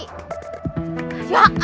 jangan minta balik lagi